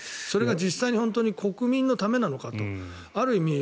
それが実際に本当に国民のためなのかと。